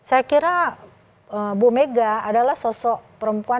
ini berat tentang harus memeliti pemerintahan